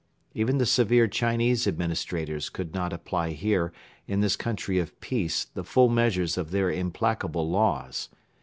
Even the severe Chinese administrators could not apply here in this country of peace the full measure of their implacable laws.